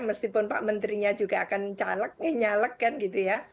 meskipun pak menterinya juga akan nyalek kan gitu ya